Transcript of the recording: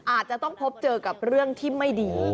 อาจจะต้องพบเจอกับเรื่องที่ไม่ดี